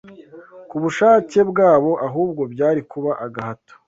ku bushake bwabo ahubwo byari kuba agahato